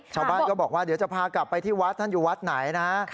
ชาวบ้านก็บอกว่าเดี๋ยวจะพากลับไปที่วัดท่านอยู่วัดไหนนะ